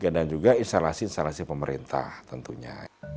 dan juga instalasi instalasi pemerintah tentunya